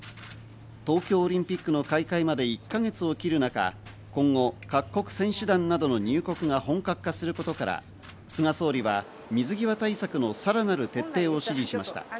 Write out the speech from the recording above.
東京オリンピックの開会まで１か月を切る中、今後、各国選手団などの入国が本格化することから、菅総理は水際対策のさらなる徹底を指示しました。